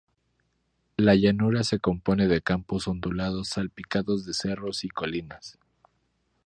La llanura se compone de campos ondulados salpicados de cerros y colinas.